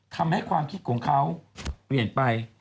ทำให้ความคิดของเขาเปลี่ยนไป